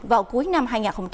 vào cuối năm hai nghìn hai mươi ba